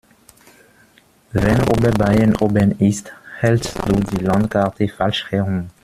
Wenn Oberbayern oben ist, hältst du die Landkarte falsch herum.